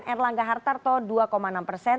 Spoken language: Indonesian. erlangga hartarto dua enam persen